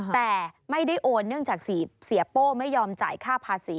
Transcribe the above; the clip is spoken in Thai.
แต่ไม่ได้โอนเนื่องจากเสียโป้ไม่ยอมจ่ายค่าภาษี